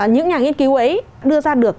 những nhà nghiên cứu ấy đưa ra được